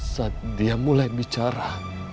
saat dia mulai bicara